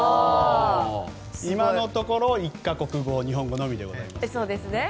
今のところ、１か国語日本語のみでございます。